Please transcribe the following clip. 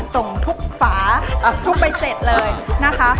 ส่งทุกฝาทุกใบเสร็จเลยนะคะ